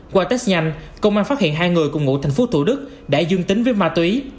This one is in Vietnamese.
qua test nhanh công an phát hiện hai người cùng ngụ tp thủ đức đã dương tính với ma túy